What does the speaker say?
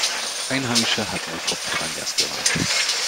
Einheimische hatten sie vor Piranhas gewarnt.